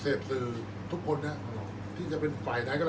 อันไหนที่มันไม่จริงแล้วอาจารย์อยากพูด